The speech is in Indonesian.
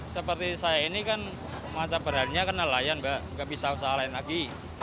seperti saya ini kan macam beraninya nelayan nggak bisa usaha nelayan lagi